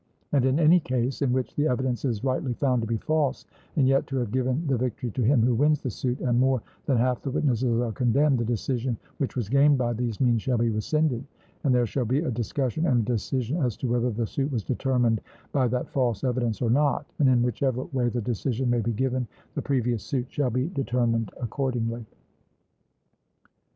And in any case in which the evidence is rightly found to be false, and yet to have given the victory to him who wins the suit, and more than half the witnesses are condemned, the decision which was gained by these means shall be rescinded, and there shall be a discussion and a decision as to whether the suit was determined by that false evidence or not; and in whichever way the decision may be given, the previous suit shall be determined accordingly.